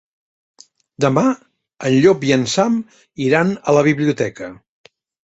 Demà en Llop i en Sam iran a la biblioteca.